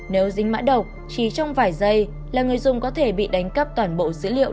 nếu dính mã độc chỉ trong vài giây là người dùng có thể bị đánh cắp toàn bộ dữ liệu